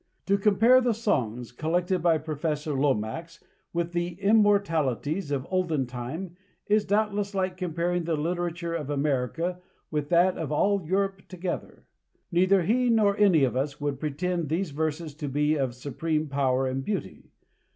To compare the songs collected by Professor Lomax with the immortalities of olden time is doubtless like comparing the literature of America with that of all Europe together. Neither he nor any of us would pretend these verses to be of supreme power and beauty.